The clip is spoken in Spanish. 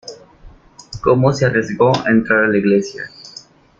¿ cómo se arriesgó a entrar en la iglesia?